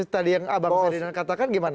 tadi yang abang ferdinand katakan gimana